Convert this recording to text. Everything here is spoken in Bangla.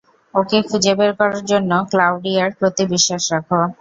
ওকে খুঁজে বের করার জন্য ক্লাউডিয়ার প্রতি বিশ্বাস রাখো।